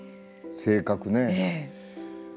性格ね。